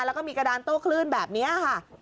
แล้วก็มีกระดานโต้คลื่นแบบนี้ค่ะ